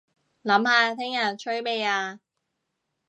諗下聽日吹咩吖